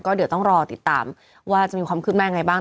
เดี๋ยวต้องรอติดตามว่าจะมีความคืบหน้ายังไงบ้าง